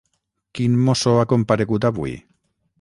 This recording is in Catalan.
Quin mosso ha comparegut avui?